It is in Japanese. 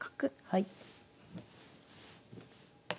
はい。